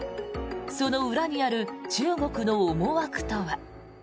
その裏にある中国の思惑とは。